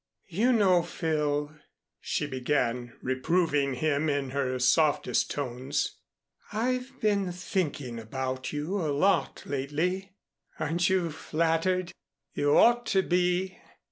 "You know, Phil," she began, reproving him in her softest tones, "I've been thinking about you a lot lately. Aren't you flattered? You ought to be.